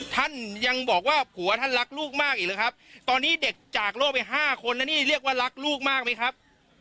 ท่านยังบอกว่าผัวท่านรักลูกมากอีกหรือครับตอนนี้เด็กจากโลกไปห้าคนแล้วนี่เรียกว่ารักลูกมากไหมครับ